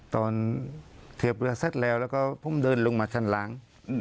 ตอนเทียบเรือเสร็จแล้วแล้วก็ผมเดินลงมาชั้นล่าง